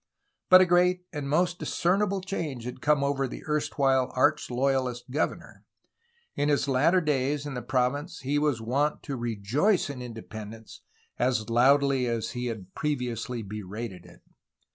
But a great and most discernible change had come over the erstwhile arch loyafist governor. In his latter days in the province he was wont to '^rejoice" in independence as loudly as he had previously berated it.